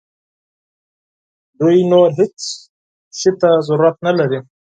دوی نور هیڅ شي ته ضرورت نه لري.